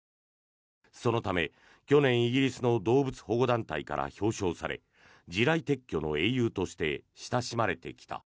そのため去年、イギリスの動物保護団体から表彰され地雷撤去の英雄として親しまれてきた。